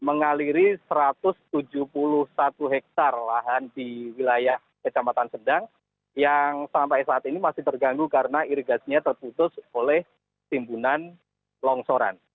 mengaliri satu ratus tujuh puluh satu hektare lahan di wilayah kecamatan sedang yang sampai saat ini masih terganggu karena irigasinya terputus oleh timbunan longsoran